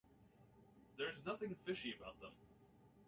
There's nothing fishy about them.